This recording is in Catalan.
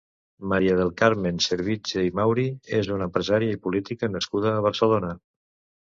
Maria del Carme Servitje i Mauri és una empresària i política nascuda a Barcelona.